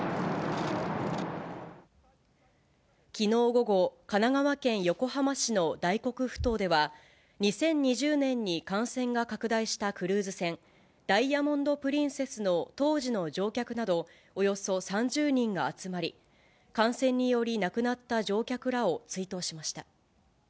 きのう午後、神奈川県横浜市の大黒ふ頭では、２０２０年に感染が拡大したクルーズ船、ダイヤモンド・プリンセスの当時の乗客などおよそ３０人が集まり、感染により、亡くなった乗客らを追悼しました。